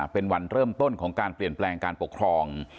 เป็นวันเริ่มต้นของการเปลี่ยนแปลงการปกครอง